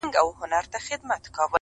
دښایستونو خدایه اور ته به مي سم نیسې؟